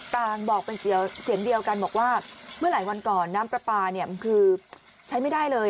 ต่างบอกเป็นเสียงเดียวกันบอกว่าเมื่อหลายวันก่อนน้ำปลาปลาเนี่ยคือใช้ไม่ได้เลย